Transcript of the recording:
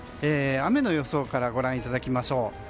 雨の予想からご覧いただきましょう。